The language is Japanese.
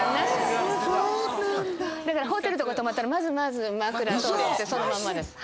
ホテルとか泊まったらまず枕取ってそのまんまです。